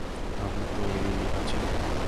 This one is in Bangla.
আমি তৈরি আছি।